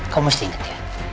kamu mesti ingat ya